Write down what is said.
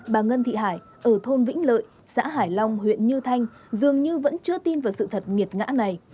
bà ngân thị hải ở thôn vĩnh lợi xã hải long huyện như thanh dường như vẫn chưa tin vào sự thật nghiệt ngã này